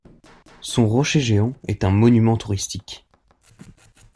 Son rocher géant est un monument touristique.